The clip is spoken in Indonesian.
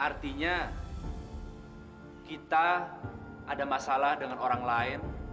artinya kita ada masalah dengan orang lain